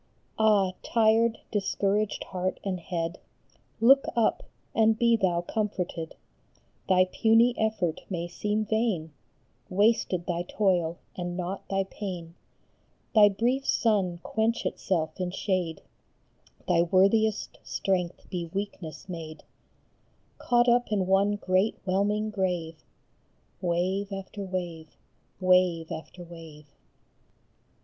Ah, tired, discouraged heart and head, Look up, and be thou comforted ! Thy puny effort may seem vain, Wasted thy toil and naught thy pain, Thy brief sun quench itself in shade, Thy worthiest strength be weakness made, Caught up in one great whelming grave, Wave after wave, wave after wave.